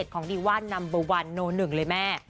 ของดีว่านัมเบอร์วันโนหนึ่งเลยแม่